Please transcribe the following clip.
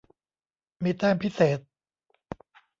มีแต้มพิเศษ.